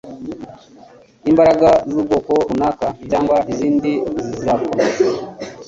Imbaraga z'ubwoko runaka cyangwa izindi zizakomeza